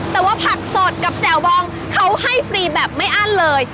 แต่ว่าผักสดกับแจ่วบองเขาให้ฟรีแบบไม่อั้นเลย